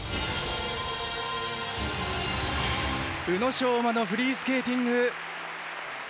宇野昌磨のフリースケーティング。